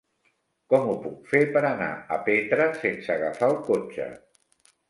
Com ho puc fer per anar a Petra sense agafar el cotxe?